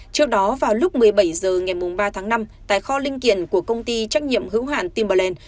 trước đó vào lúc một mươi bảy h ngày ba tháng năm tại kho linh kiện của công ty trách nhiệm hữu hạn timberland